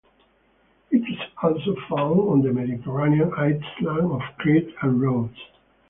It is also found on the Mediterranean islands of Crete and Rhodes.